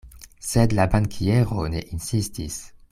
Sed la bankiero ne insistis.